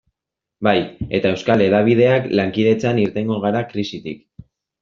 Bai, eta euskal hedabideak lankidetzan irtengo gara krisitik.